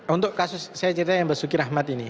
untuk kasus saya cerita yang basuki rahmat ini